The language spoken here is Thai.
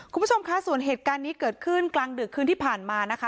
คุณผู้ชมคะส่วนเหตุการณ์นี้เกิดขึ้นกลางดึกคืนที่ผ่านมานะคะ